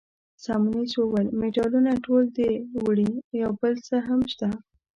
سیمونز وویل: مډالونه ټول ده وړي، یو بل څه هم شته.